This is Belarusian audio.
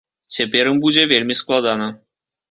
Цяпер ім будзе вельмі складана.